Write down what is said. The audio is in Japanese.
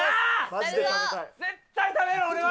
絶対食べる、俺は。